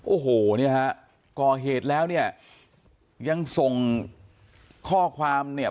โอ้โหเนี่ยฮะก่อเหตุแล้วเนี่ยยังส่งข้อความเนี่ย